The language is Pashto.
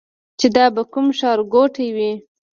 چې دا به کوم ښار ګوټی وي.